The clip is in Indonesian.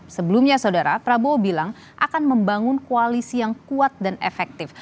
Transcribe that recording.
sebelumnya saudara prabowo bilang akan membangun koalisi yang kuat dan efektif